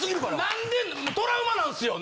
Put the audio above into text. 何でトラウマなんすよ。